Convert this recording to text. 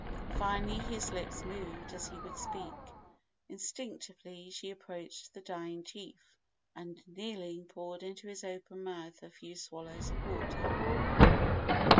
Finally his lips moved as if he would speak. Instinctively she approached the dying chief, and, kneeling, poured into his open mouth a few swallows of water.